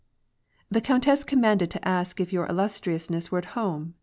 ^^ The countess commanded to ask if your illustriousness were at home